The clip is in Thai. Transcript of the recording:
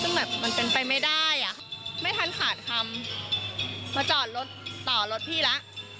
ซึ่งแบบมันเป็นไปไม่ได้อ่ะไม่ทันขาดคำมาจอดรถต่อรถพี่แล้ว